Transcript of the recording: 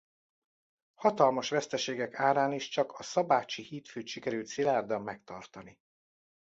Hatalmas veszteségek árán is csak a szabácsi hídfőt sikerült szilárdan megtartani.